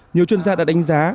nhiều chuyên gia đã đánh giá